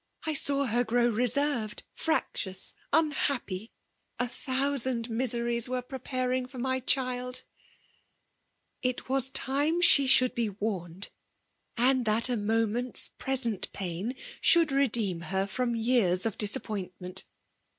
I saw her grow reserved, fiac* tious, unhappy ; a thousand miseries were pre* panng &r my child ! '^It was time she should be warned, and that a moment's present pain should redem lier fixm yeacs of disappointment.